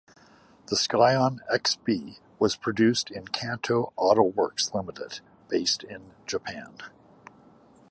The Scion xB was produced by Kanto Auto Works, Limited based in Japan.